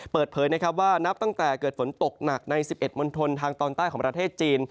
เปิดเผยนะครับว่านับตั้งแต่เกิดฝนตกหนักใน๑๑มณฑลทางตอนใต้ของประเทศจีน